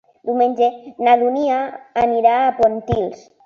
Diumenge na Dúnia anirà a Pontils.